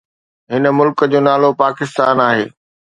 هن ملڪ جو نالو پاڪستان آهي